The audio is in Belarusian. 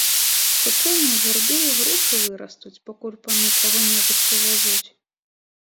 Хутчэй на вярбе ігрушы вырастуць, пакуль паны каго-небудзь павязуць.